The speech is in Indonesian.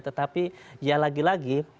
tetapi ya lagi lagi